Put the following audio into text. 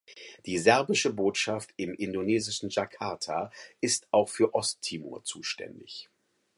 Die serbische Botschaft im indonesischen Jakarta ist auch für Osttimor zuständig.